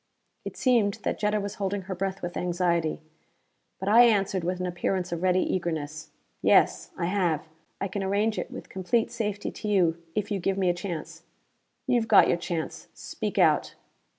It seemed that Jetta was holding her breath with anxiety. But I answered with an appearance of ready eagerness. "Yes. I have. I can arrange it with complete safety to you, if you give me a chance." "You've got your chance. Speak out."